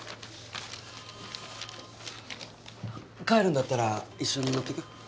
帰るんだったら一緒に乗ってく？